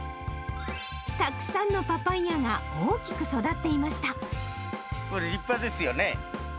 たくさんのパパイヤが大きく育っこれ立派ですよね。